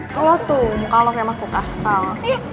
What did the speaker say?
kalau tuh muka lo kayak makhluk astral